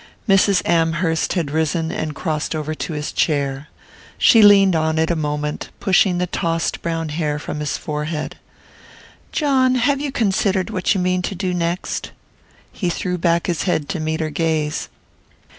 Mrs. Amherst had risen and crossed over to his chair. She leaned on it a moment, pushing the tossed brown hair from his forehead. "John, have you considered what you mean to do next?" He threw back his head to meet her gaze.